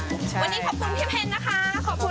วันนี้ขอบคุณพี่เพนนะคะขอบคุณ